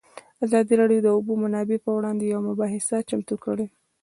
ازادي راډیو د د اوبو منابع پر وړاندې یوه مباحثه چمتو کړې.